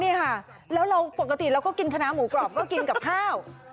นี่ค่ะแล้วเราปกติเราก็กินคณะหมูกรอบก็กินกับข้าว